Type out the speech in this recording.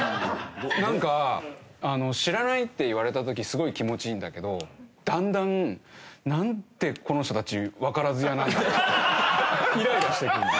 なんか「知らない」って言われた時すごい気持ちいいんだけどだんだんなんてこの人たちわからず屋なんだろうってイライラしてくるの。